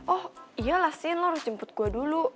oh iya lah sin lo harus jemput gue dulu